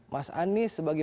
mas anies sebagai